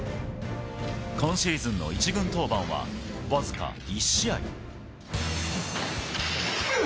今シーズンの１軍登板はわずか１試合。